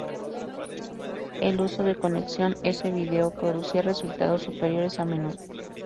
El uso de conexión S-Video producía resultados superiores a menudo.